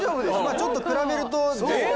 ちょっと比べると若干。